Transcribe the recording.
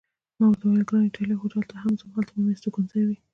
ما ورته وویل: ګران ایټالیا هوټل ته هم ځم، هلته به مې استوګنځی وي.